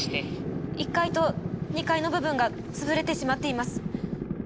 １階と２階の部分が潰れてしまっています。